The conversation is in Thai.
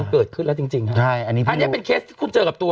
มันเกิดขึ้นแล้วจริงจริงครับใช่อันนี้อันนี้เป็นเคสที่คุณเจอกับตัว